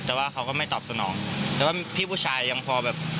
แต่ว่าเขาก็ไม่ตอบสนองแต่ว่าพี่ผู้ชายยังพอแบบ